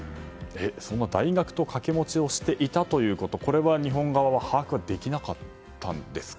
その大学と掛け持ちをしていたということこれは日本側は把握できなかったんですか？